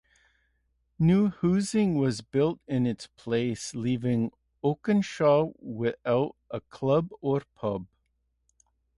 New housing was built in its place leaving Oakenshaw without a club or pub.